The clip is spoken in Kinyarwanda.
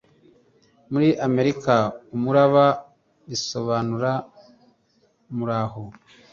Muri Amerika, umuraba bisobanura "muraho."